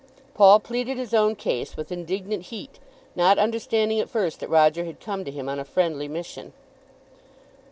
Paul pleaded his own case with indignant heat, not understanding at first that Roger had come to him on a friendly mission.